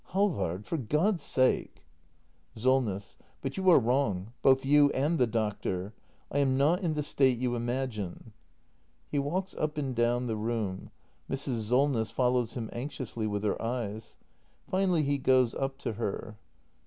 ] Halvard — for God's sake Solness. But you are wrong, both you and the doctor. I am not in the state you imagine. [He walks up and down the room. Mrs. Solness follows him anxiously with her eyes. Finally he goes up to her.